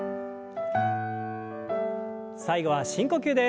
最後は深呼吸です。